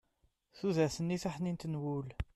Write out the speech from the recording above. tudert-nni taḥnint n wul